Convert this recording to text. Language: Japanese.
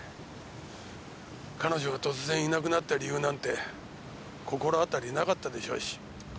彼女が突然いなくなった理由なんて心当たりなかったでしょうし。